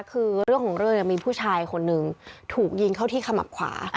คือเรื่องของเรื่องเนี่ยมีผู้ชายคนหนึ่งถูกยิงเข้าที่ขมับขวา